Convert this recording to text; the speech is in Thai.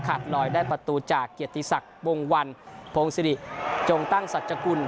ลอยได้ประตูจากเกียรติศักดิ์วงวันพงศิริจงตั้งสัจกุล